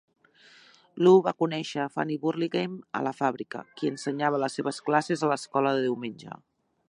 Lue va conèixer a Fannie Burlingame a la fàbrica, qui ensenyava les seves classes a l'escola de diumenge.